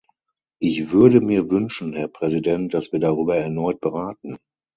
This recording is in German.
Ich würde mir wünschen, Herr Präsident, dass wir darüber erneut beraten.